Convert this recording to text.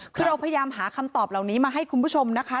คือเราพยายามหาคำตอบเหล่านี้มาให้คุณผู้ชมนะคะ